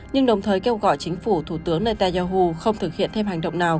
nhưng đồng thời kêu gọi chính phủ thủ tướng netanyahu không thực hiện thêm hành động nào